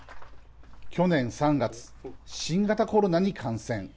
去年３月、新型コロナに感染。